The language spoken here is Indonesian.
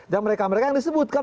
dan mereka mereka yang disebutkan